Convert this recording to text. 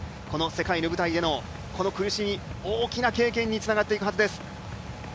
この世界の舞台へのこの苦しみ、大きな経験につながっていくはずです。